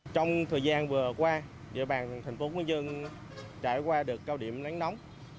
trong thời gian vừa qua địa bàn thành phố quy nhơn trải qua đợt cao điểm nắng nóng